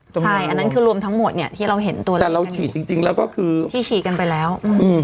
ใช่อันนั้นคือรวมทั้งหมดเนี่ยที่เราเห็นตัวเลขแต่เราฉีดจริงแล้วก็คือที่ฉีดกันไปแล้ว